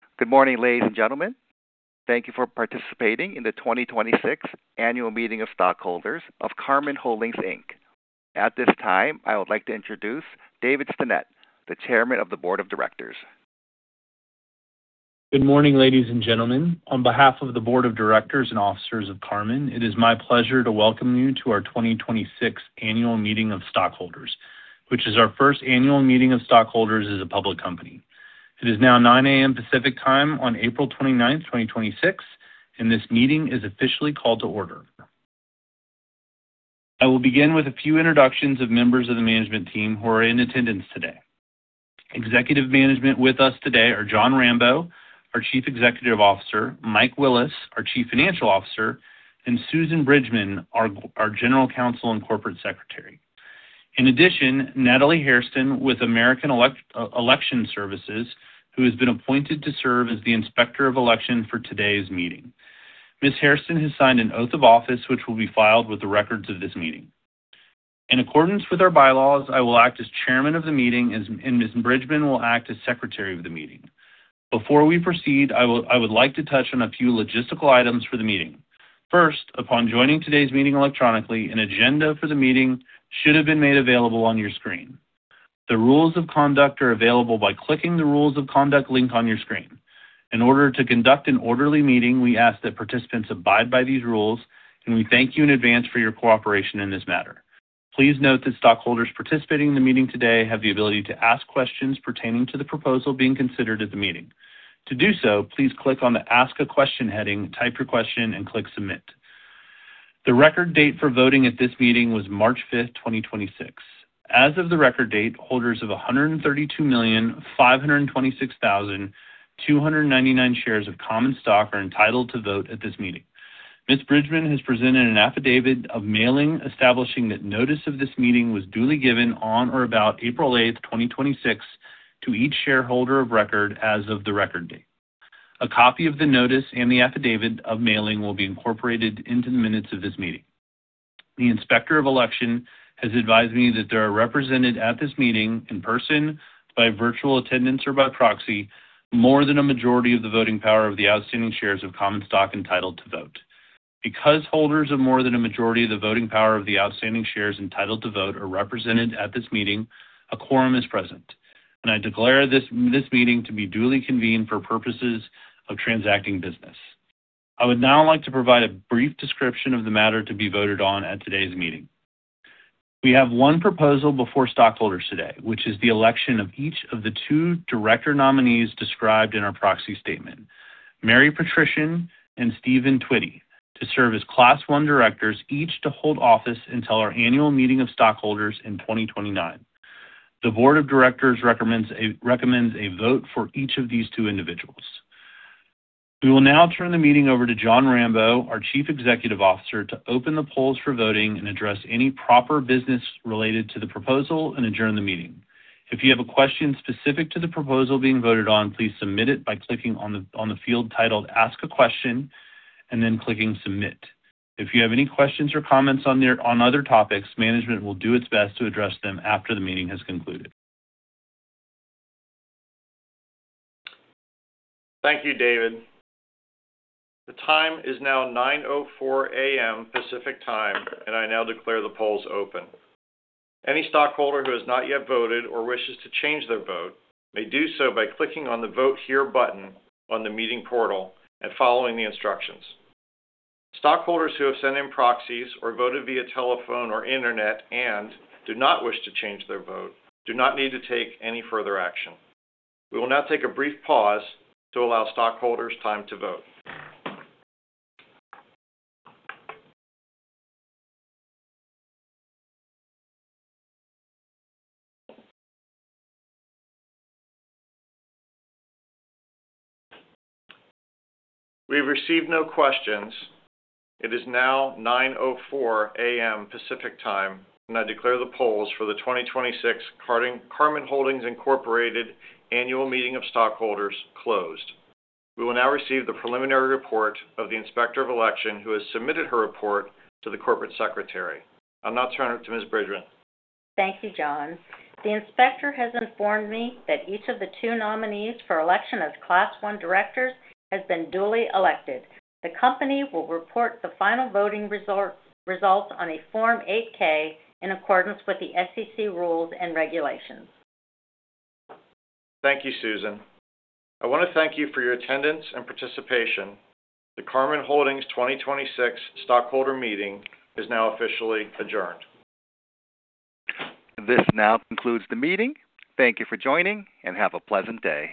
Good morning, ladies and gentlemen. Thank you for participating in the 2026 annual meeting of stockholders of Karman Holdings, Inc. At this time, I would like to introduce David Stinnett, the Chairman of the Board of Directors. Good morning, ladies and gentlemen. On behalf of the Board of Directors and Officers of Karman, it is my pleasure to welcome you to our 2026 annual meeting of stockholders, which is our first annual meeting of stockholders as a public company. It is now 9:00 A.M. Pacific Time on April twenty-ninth, 2026, and this meeting is officially called to order. I will begin with a few introductions of members of the management team who are in attendance today. Executive management with us today are Jon Rambeau, our Chief Executive Officer, Mike Willis, our Chief Financial Officer, and Susan Bridgman, our General Counsel and Corporate Secretary. In addition, Natalie Hairston with American Election Services, who has been appointed to serve as the Inspector of Election for today's meeting. Ms. Hairston has signed an oath of office, which will be filed with the records of this meeting. In accordance with our bylaws, I will act as Chairman of the Meeting and Ms. Bridgman will act as Secretary of the Meeting. Before we proceed, I would like to touch on a few logistical items for the meeting. First, upon joining today's meeting electronically, an agenda for the meeting should have been made available on your screen. The rules of conduct are available by clicking the Rules of Conduct link on your screen. In order to conduct an orderly meeting, we ask that participants abide by these rules, and we thank you in advance for your cooperation in this matter. Please note that stockholders participating in the meeting today have the ability to ask questions pertaining to the proposal being considered at the meeting. To do so, please click on the Ask a Question heading, type your question, and click Submit. The record date for voting at this meeting was March 5th, 2026. As of the record date, holders of 132,526,299 shares of common stock are entitled to vote at this meeting. Ms. Bridgman has presented an affidavit of mailing establishing that notice of this meeting was duly given on or about April 8th, 2026 to each shareholder of record as of the record date. A copy of the notice and the affidavit of mailing will be incorporated into the minutes of this meeting. The Inspector of Election has advised me that there are represented at this meeting in person, by virtual attendance, or by proxy, more than a majority of the voting power of the outstanding shares of common stock entitled to vote. Because holders of more than a majority of the voting power of the outstanding shares entitled to vote are represented at this meeting, a quorum is present. I declare this meeting to be duly convened for purposes of transacting business. I would now like to provide a brief description of the matter to be voted on at today's meeting. We have one proposal before stockholders today, which is the election of each of the two director nominees described in our proxy statement, Mary Petryszyn and Stephen Twitty, to serve as Class I directors, each to hold office until our annual meeting of stockholders in 2029. The Board of Directors recommends a vote for each of these two individuals. We will now turn the meeting over to Jon Rambeau, our Chief Executive Officer, to open the polls for voting and address any proper business related to the proposal and adjourn the meeting. If you have a question specific to the proposal being voted on, please submit it by clicking on the field titled Ask a Question and then clicking Submit. If you have any questions or comments on other topics, management will do its best to address them after the meeting has concluded. Thank you, David. The time is now 9:04 A.M. Pacific Time. I now declare the polls open. Any stockholder who has not yet voted or wishes to change their vote may do so by clicking on the Vote Here button on the meeting portal and following the instructions. Stockholders who have sent in proxies or voted via telephone or internet and do not wish to change their vote do not need to take any further action. We will now take a brief pause to allow stockholders time to vote. We've received no questions. It is now 9:04 A.M. Pacific Time. I declare the polls for the 2026 Karman Holdings Incorporated annual meeting of stockholders closed. We will now receive the preliminary report of the Inspector of Election who has submitted her report to the Corporate Secretary. I'll now turn it to Ms. Bridgman. Thank you, Jon. The inspector has informed me that each of the two nominees for election as Class I directors has been duly elected. The company will report the final voting results on a Form 8-K in accordance with the SEC rules and regulations. Thank you, Susan. I wanna thank you for your attendance and participation. The Karman Holdings 2026 stockholder meeting is now officially adjourned. This now concludes the meeting. Thank you for joining, and have a pleasant day.